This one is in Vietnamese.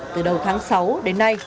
từ đầu tháng sáu đến nay